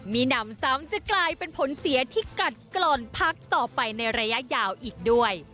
มีหนำซ้ำจะกลายเป็นผลเสียที่กัดกล่อนพักต่อไปในระยะยาวอีกด้วย